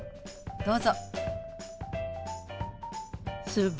どうぞ。